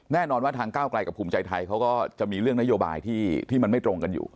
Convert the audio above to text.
แน่นอนว่าทางก้าวไกลกับภูมิใจไทยเขาก็จะมีเรื่องนโยบายที่มันไม่ตรงกันอยู่